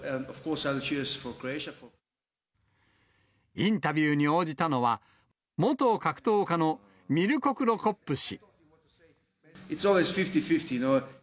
インタビューに応じたのは、元格闘家のミルコ・クロコップ氏。